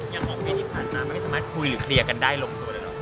ยังหกปีที่ผ่านมาไม่สามารถคุยกันได้คลียใส่หลงตัวแหร่ละ